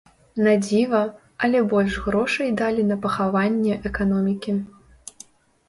На дзіва, але больш грошай далі на пахаванне эканомікі.